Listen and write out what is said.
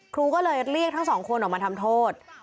ครูก็เลยเรียกทั้งสองคนออกมาทำโทษ